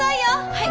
はい！